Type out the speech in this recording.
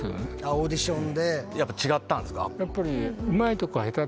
オーディションでやっぱ違ったんすか？